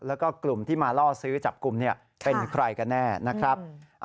แล้วก็กลุ่มที่มาล่อซื้อจับกลุ่มเป็นใครกันแน่นะครับ